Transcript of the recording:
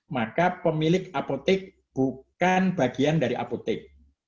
maka pemilik apotek bukan bagian dari apotek